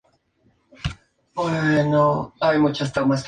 Su padre fue un hombre de negocios.